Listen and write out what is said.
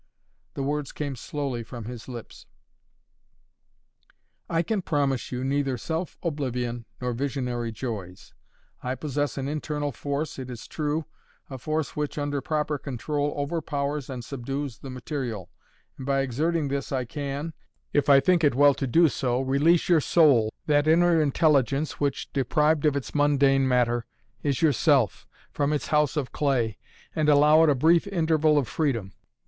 The words came slowly from his lips. "I can promise you neither self oblivion nor visionary joys. I possess an internal force, it is true, a force which, under proper control, overpowers and subdues the material, and by exerting this I can, if I think it well to do so, release your soul, that inner intelligence which, deprived of its mundane matter, is yourself, from its house of clay and allow it a brief interval of freedom.